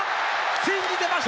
ついに出ました。